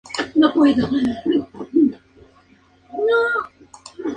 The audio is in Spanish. Asistió a la universidad de Colorado, donde se graduó como Ingeniero Mecánico.